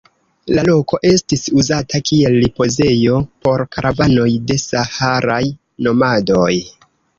La loko estis uzata kiel ripozejo por karavanoj de saharaj nomadoj.